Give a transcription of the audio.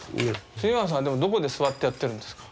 村さんでもどこで座ってやってるんですか？